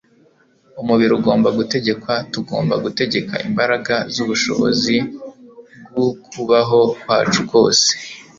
umubiri ugomba gutegekwa. tugomba gutegeka imbaraga z'ubushobozi bw'ukubaho kwacu kose